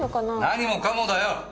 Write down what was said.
何もかもだよ！